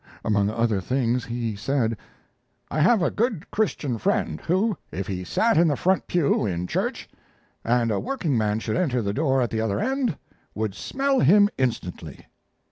Among other things he said: I have a good Christian friend who, if he sat in the front pew in church, and a workingman should enter the door at the other end, would smell him instantly.